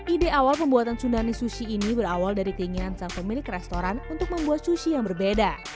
ide awal pembuatan sundani sushi ini berawal dari keinginan sang pemilik restoran untuk membuat sushi yang berbeda